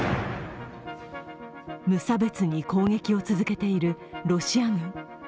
無差別に攻撃を続けているロシア軍。